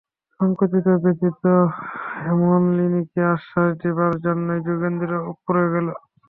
সংকুচিত ও ব্যথিত হেমনলিনীকে আশ্বাস দিবার জন্য যোগেন্দ্র উপরে গেল।